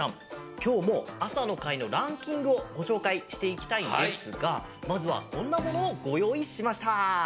きょうもあさのかいのランキングをごしょうかいしていきたいんですがまずはこんなものをごよういしました！